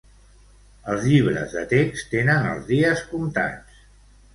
Els llibres de text tenen els dies comptats.